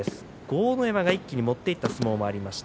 阿武山が一気に持っていった相撲もありました。